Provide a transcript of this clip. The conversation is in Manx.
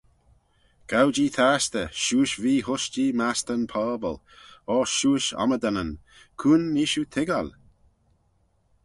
Gow-jee tastey, shiuish vee-hushtee mastey'n pobble: O shiuish ommydanyn, cuin nee shiu toiggal?